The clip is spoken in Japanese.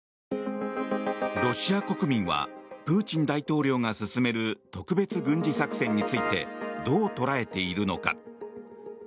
ロシア国民はプーチン大統領が進める特別軍事作戦についてどう捉えているのか。